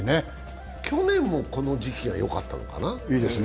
去年もこの時期がよかったのかな。